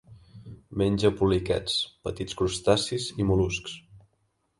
Menja poliquets, petits crustacis i mol·luscs.